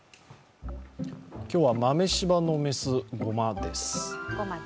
今日は豆柴の雌、ごまです。